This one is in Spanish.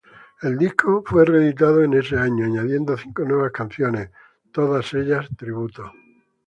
El disco fue reeditado en ese año, añadiendo cinco nuevas canciones, todas ellas tributo.